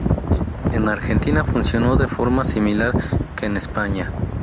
En Argentina funcionó de forma similar que en España.